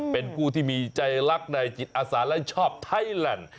เป็นผู้ที่มีใจรักในจิตอาสาและชอบไทยแลนด์